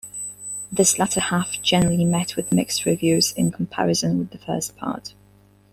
This latter half generally met with mixed reviews in comparison with the first part.